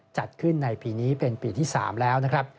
จัดขึ้นในปีนี้เป็นปีที่๓แล้วนะครับ